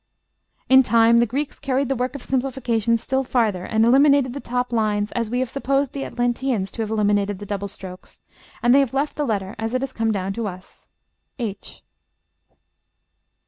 In time the Greeks carried the work of simplification still farther, and eliminated the top lines, as we have supposed the Atlanteans to have eliminated the double strokes, and they left the letter as it has come down to us, H.